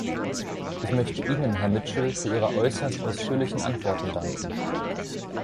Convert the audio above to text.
Ich möchte Ihnen, Herr Mitchell, für Ihre äußerst ausführlichen Antworten danken.